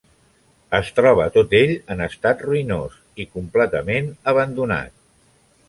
Es troba tot ell en estat ruïnós i completament abandonat.